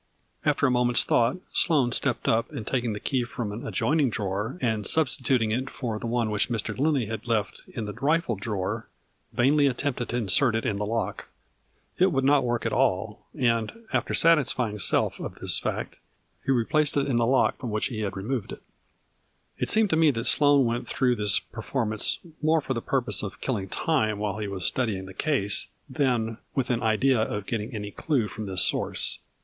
After a moment's thought, Sloane stepped up and taking the key from an adjoining drawer and substituting it for the one which Mr. Lindley had left in the rifled drawer, vainly attempted to insert it in the lock. It would not work at all, and, after satisfying him 30 .1 FLURRY IN DIAMONDS. self of this fact, he replaced it in the lock from which he had removed it. It seemed to me that Sloane went through this performance more for the purpose of kill ing time while he was studying the case, than with an idea of getting any clue from this source.